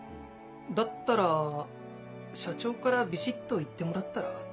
だったら社長からビシっと言ってもらったら？